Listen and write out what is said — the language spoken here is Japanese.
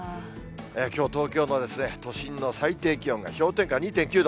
きょう、東京の都心の最低気温が氷点下２．９度。